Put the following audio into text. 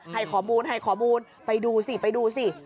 ให้ขอบูรณ์ไปดูสิ